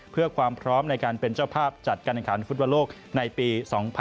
เพื่อความพร้อมในการเป็นเจ้าภาพจัดการแข่งขันฟุตบอลโลกในปี๒๐๑๖